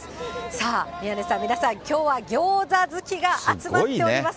さあ、宮根さん、皆さん、きょうは餃子好きが集まっております。